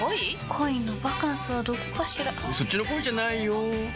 恋のバカンスはどこかしらそっちの恋じゃないよ